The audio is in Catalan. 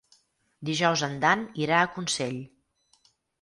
Dijous en Dan irà a Consell.